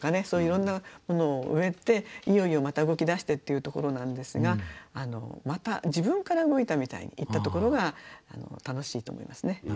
そういろんなものを植えていよいよまた動き出してっていうところなんですがまた自分から動いたみたいに言ったところが楽しいと思いますね。